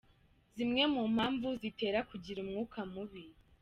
Zimwe mu mpamvu zitera kugira umwuka mubi.